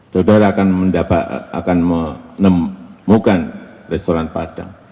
saudara akan menemukan restoran padang